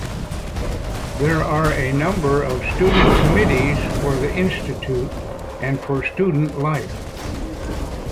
There are a number of student committees for the Institute and for student life.